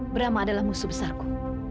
brahma adalah musuh besarku